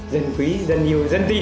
dân quý dân yêu dân tin